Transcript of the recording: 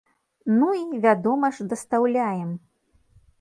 Ну і, вядома ж, дастаўляем.